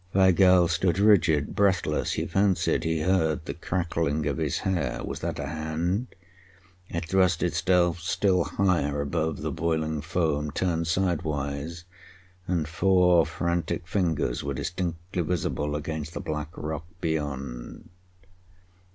Weigall stood rigid, breathless; he fancied he heard the crackling of his hair. Was that a hand? It thrust itself still higher above the boiling foam, turned sidewise, and four frantic fingers were distinctly visible against the black rock beyond.